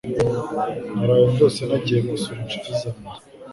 Naraye ndose nagiye gusura inshuti zanjye